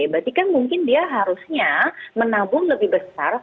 berarti kan mungkin dia harusnya menabung lebih besar